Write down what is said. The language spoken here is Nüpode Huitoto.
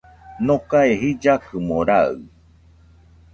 Nokae jillakɨmo raɨ